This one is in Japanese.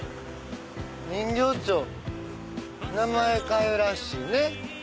人形町名前かわいらしいね。